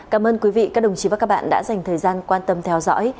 cảm ơn quý vị các đồng chí và các bạn đã dành thời gian quan tâm theo dõi